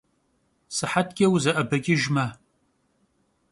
Sıhetç'e vuze'ebeç'ıjjme.